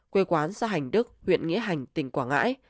quê quán xã hành đức huyện nghĩa hành tỉnh quảng ngãi